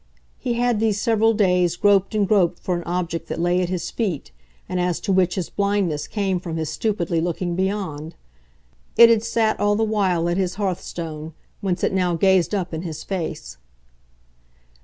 He had these several days groped and groped for an object that lay at his feet and as to which his blindness came from his stupidly looking beyond. It had sat all the while at his hearth stone, whence it now gazed up in his face.